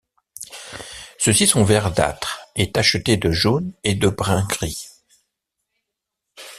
Ceux-ci sont verdâtres et tachetés de jaune et de brun-gris.